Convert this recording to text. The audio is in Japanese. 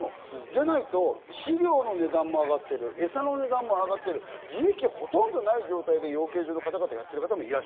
じゃないと飼料の値段も上がってる、エサの値段も上がって、利益はほとんどない状態で養鶏場の方々はやっています。